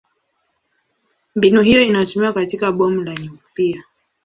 Mbinu hiyo inatumiwa katika bomu la nyuklia.